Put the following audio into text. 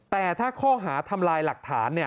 แต่ถ้าข้อหาทำลายหลักฐาน